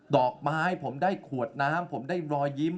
ดอกไม้ผมได้ขวดน้ำผมได้รอยยิ้ม